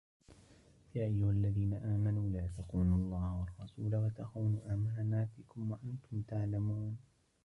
يَا أَيُّهَا الَّذِينَ آمَنُوا لَا تَخُونُوا اللَّهَ وَالرَّسُولَ وَتَخُونُوا أَمَانَاتِكُمْ وَأَنْتُمْ تَعْلَمُونَ